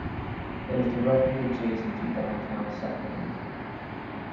It is directly adjacent to downtown Sacramento.